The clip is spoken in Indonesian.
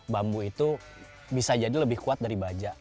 bambu itu bisa jadi lebih kuat dari baja